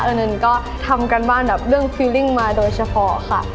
เอิญก็ทำการบ้านเรื่องคิวลิ่งมาโดยเฉพาะค่ะ